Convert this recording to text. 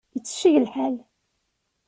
Itecceg lḥal.